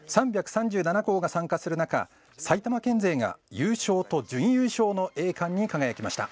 ３３７校が参加する中埼玉県勢が優勝と準優勝の栄冠に輝きました。